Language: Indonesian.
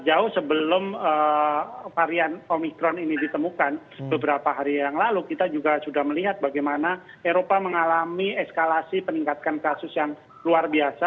jauh sebelum varian omikron ini ditemukan beberapa hari yang lalu kita juga sudah melihat bagaimana eropa mengalami eskalasi peningkatan kasus yang luar biasa